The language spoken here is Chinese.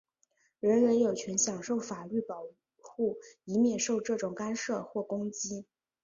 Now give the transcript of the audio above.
人人有权享受法律保护,以免受这种干涉或攻击。